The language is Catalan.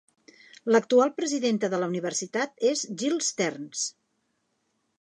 L'actual presidenta de la universitat és Jill Stearns.